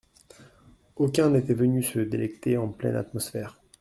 Aucun n'était venu se délecter en pleine atmosphère.